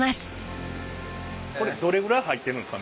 これどれぐらい入ってるんですか？